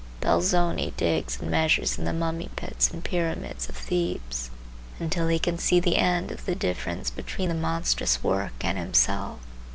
Belzoni digs and measures in the mummy pits and pyramids of Thebes, until he can see the end of the difference between the monstrous work and himself.